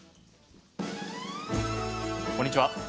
こんにちは。